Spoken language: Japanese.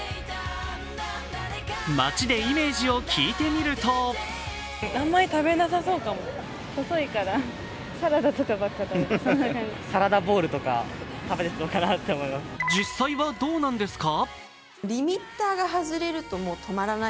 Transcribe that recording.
街でイメージを聞いてみると実際はどうなんですか？